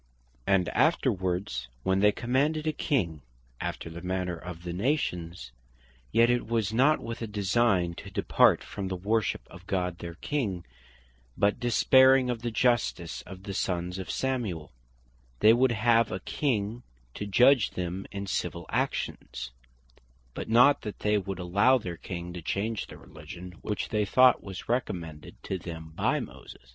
And afterwards when they demanded a King, after the manner of the nations; yet it was not with a design to depart from the worship of God their King; but despairing of the justice of the sons of Samuel, they would have a King to judg them in Civill actions; but not that they would allow their King to change the Religion which they thought was recommended to them by Moses.